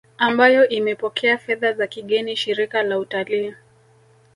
ambayo imepokea fedha za kigeni Shirika la Utalii